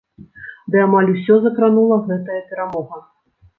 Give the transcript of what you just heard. Ды амаль усё закранула гэтая перамога.